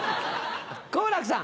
好楽さん。